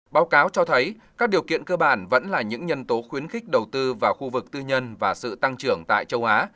báo cáo cho thấy các điều kiện cơ bản vẫn là những nhân tố khuyến khích đầu tư vào khu vực tư nhân và sự tăng trưởng tại châu á